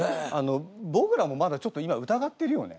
僕らもまだちょっと今疑ってるよね？